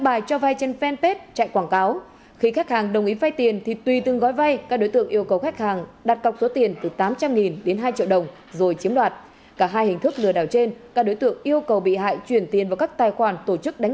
một mươi chín bài viết có nội dung kích động chống phá nhà nước của đào minh quân